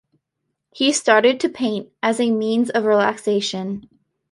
He started to paint as a means of relaxation.